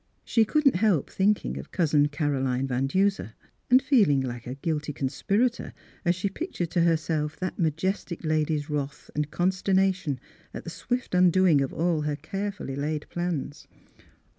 She couldn't help thinking of Cousin Caroline Van Duser ; and feeling like a guilty conspirator, as she pictured to her self that majestic lady's wrath and con sternation at the swift undoing of all her carefully laid plans.